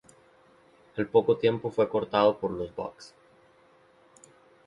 Al poco tiempo fue cortado por los Bucks.